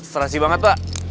serasi banget pak